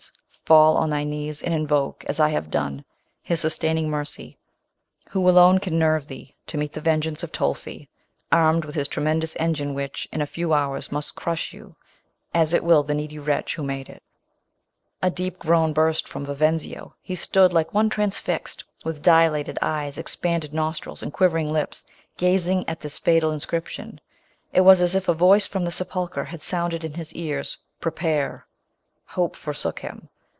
•;, full on thy Iviu e?, and invoke, .us I Lave di^ c, i '.'., ta'miug ui. 'r; > 370 thee to meet the vengeance of Tolti, artned \vitb his tremendous eugine which, in a few hours, must crush you, M it will the needy wretch who made iu" A deep groan burst from Vivenzio. •od, like one transfixed, with dilated eyes, expanded nostrils, and quivering lips, gazing at thin fatal in scription. It was as if a voice from the sepulchre had sounded in his ears, " Prepare !" Hope forsook him.